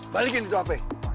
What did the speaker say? balikin itu hp